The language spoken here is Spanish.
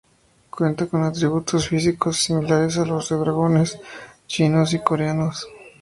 Cuenta con atributos físicos similares a los de los dragones chinos y coreanos.